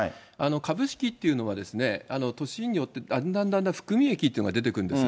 株式というのはですね、年によってだんだんだんだん含み益というのが出てくるんです。